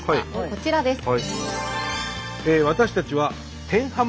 こちらです。